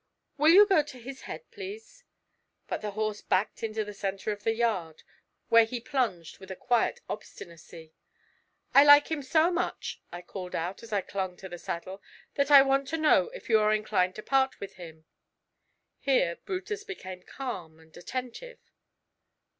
'Will you go to his head, please?' But the horse backed into the centre of the yard, where he plunged with a quiet obstinacy. 'I like him so much,' I called out, as I clung to the saddle, 'that I want to know if you're at all inclined to part with him?' Here Brutus became calm and attentive.